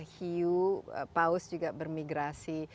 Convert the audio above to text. hiu paus juga bermigrasi